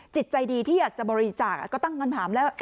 จิตใจดีที่อยากจะบริจาคก็ตั้งคำถามแล้ว